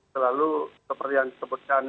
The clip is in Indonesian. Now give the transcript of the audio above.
selalu seperti yang disebutkan